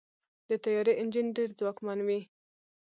د طیارې انجن ډېر ځواکمن وي.